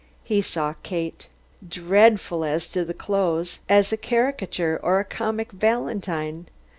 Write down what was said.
He saw Kate dreadful as to clothes as a caricature or a comic valentine!